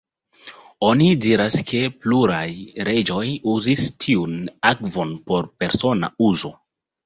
Oni diras ke pluraj reĝoj uzis tiun akvon por persona uzo.